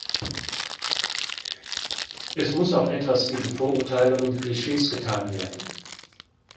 Es muss auch etwas gegen Vorurteile und Klischees getan werden.